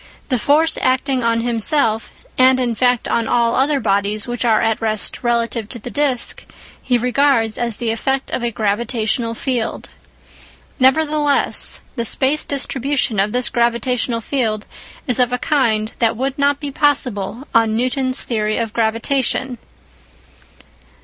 The force acting on himself, and in fact on all other bodies which are at rest relative to the disc, he regards as the effect of a gravitational field. Nevertheless, the space distribution of this gravitational field is of a kind that would not be possible on Newton's theory of gravitation.